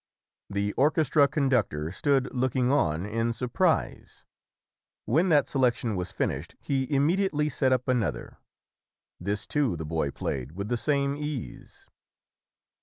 The orchestra conductor stood looking on in surprise. When that selection was finished, he immediately set up another. This, too, the boy played with the same ease.